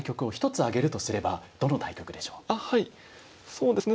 そうですね。